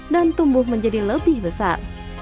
dan tumbuh menjadi lebih besar